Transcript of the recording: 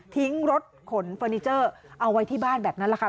ทิ้งรถขนเฟอร์นิเจอร์เอาไว้ที่บ้านแบบนั้นแหละค่ะ